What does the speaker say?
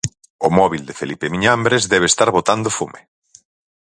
O móbil de Felipe Miñambres debe estar botando fume.